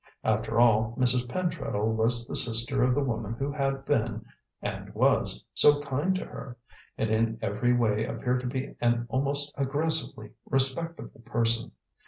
After all, Mrs. Pentreddle was the sister of the woman who had been, and was, so kind to her, and in every way appeared to be an almost aggressively respectable person.